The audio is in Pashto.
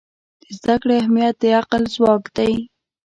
د زده کړې اهمیت د عقل ځواک دی.